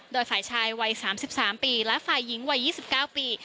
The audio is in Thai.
โดยฝ่ายชายวัย๓๓ปีและฝ่ายหญิงวัย๒๙ปี